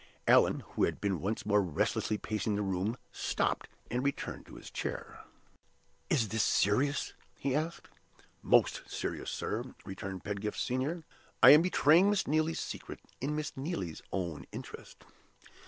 Allan, who had been once more restlessly pacing the room, stopped, and returned to his chair. "Is this serious?" he asked. "Most serious, sir," returned Pedgift Senior. "I am betraying Miss Neelie's secret, in Miss Neelie's own interest.